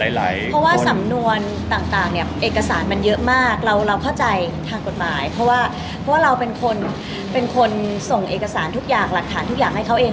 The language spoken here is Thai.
เพราะว่าสำนวนต่างเนี่ยเอกสารมันเยอะมากเราเราเข้าใจทางกฎหมายเพราะว่าเพราะว่าเราเป็นคนเป็นคนส่งเอกสารทุกอย่างหลักฐานทุกอย่างให้เขาเอง